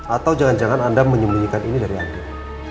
atau jangan jangan anda menyembunyikan ini dari anda